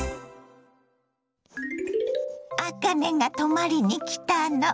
あかねが泊まりに来たの。